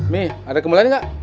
mi ada kembalian gak